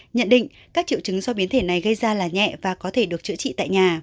nhận định các triệu chứng do biến thể này gây ra là nhẹ và có thể được chữa trị tại nhà